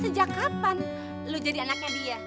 sejak kapan lu jadi anaknya dia